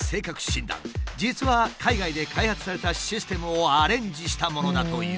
実は海外で開発されたシステムをアレンジしたものだという。